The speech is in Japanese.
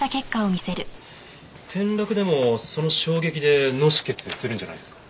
転落でもその衝撃で脳出血するんじゃないですか？